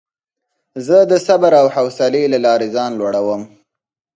زه د صبر او حوصلې له لارې ځان لوړوم.